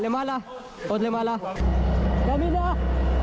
ไม่ต้องเสียด้วย